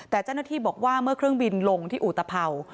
แต่เจ้าหน้าที่บอกว่าเมื่อเครื่องบินลงที่อุตภัวร์